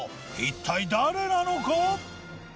一体誰なのか？